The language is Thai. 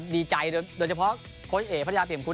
ดีใจโดยเฉพาะโค้ชเอกพัทยาเปี่ยคุณ